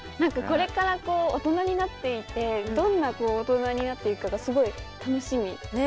これから、大人になっていってどんな大人になっていくのかすごい楽しみですね。